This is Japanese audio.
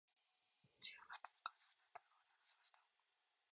「チームメイトに感謝したい」と笑顔で話しました。